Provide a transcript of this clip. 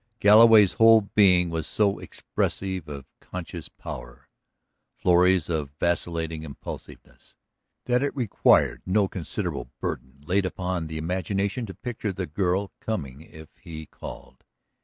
Galloway's whole being was so expressive of conscious power, Florrie's of vacillating impulsiveness, that it required no considerable burden laid upon the imagination to picture the girl coming if he called